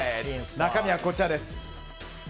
中身はこちらです。